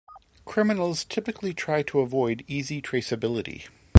Criminals typically try to avoid easy traceability.